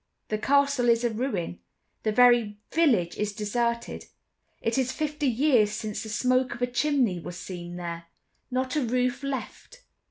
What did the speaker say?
The castle is a ruin; the very village is deserted; it is fifty years since the smoke of a chimney was seen there; not a roof left."